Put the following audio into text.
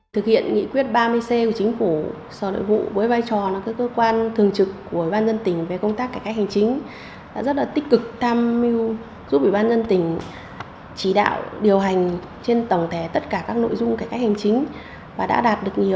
thực hiện nghị quyết ba mươi c của chính phủ sở nội vụ với vai trò các cơ quan thường trực của ban dân tỉnh về công tác cải cách hành chính đã rất tích cực tham mưu giúp ban dân tỉnh chỉ đạo điều hành trên tổng thể tất cả các nội vụ